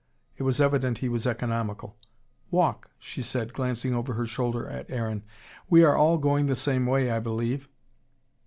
It was evident he was economical. "Walk," she said, glancing over her shoulder at Aaron. "We are all going the same way, I believe."